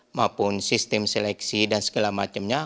maupun sistem seleksi dan segala macamnya